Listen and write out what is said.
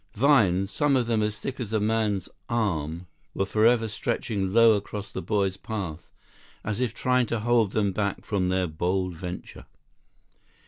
Vines, some of them as thick as a man's arm, were forever stretching low across the boys' path, as if trying to hold them back from their bold venture.